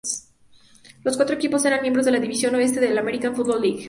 Los cuatro equipos eran miembros de la división oeste de la American Football League.